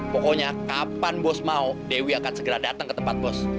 pokoknya kapan bos mau dewi akan segera datang ke tempat bos